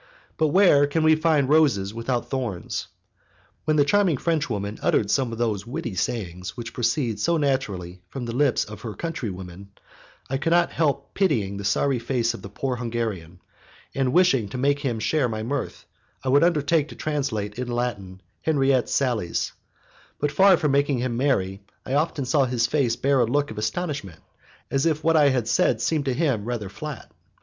But where can we find roses without thorns? When the charming Frenchwoman uttered some of those witty sayings which proceed so naturally from the lips of her countrywomen, I could not help pitying the sorry face of the poor Hungarian, and, wishing to make him share my mirth, I would undertake to translate in Latin Henriette's sallies; but far from making him merry, I often saw his face bear a look of astonishment, as if what I had said seemed to him rather flat.